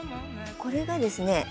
これがですね